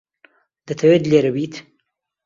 دەتەوێت لێرە بیت؟